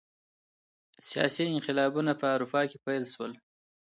سیاسي انقلابونه په اروپا کي پیل سول.